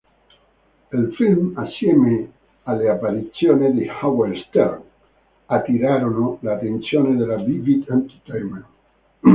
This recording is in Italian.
Il film, assieme alle apparizioni da Howard Stern, attirarono l'attenzione della Vivid Entertainment.